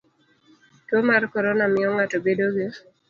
Tuo mar corona miyo ng'ato bedo gi